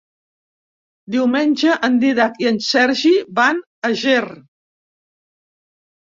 Diumenge en Dídac i en Sergi van a Ger.